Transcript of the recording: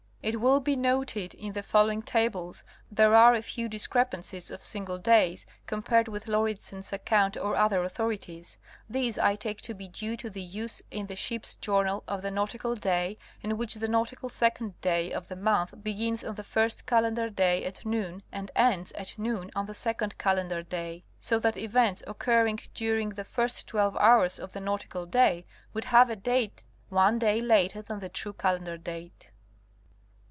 It will be noted in the following tables there are a few discrep ancies of single days compared with Lauridsen's account or other authorities. These I take to be due to the use in the ship's jour nal of the nautical day in which the nautical second day of the month begins on the first calendar day at noon and ends at noon on the second calendar day, so that events occurring during the first twelve hours of the nautical day would have a date one day later than the true calendar date.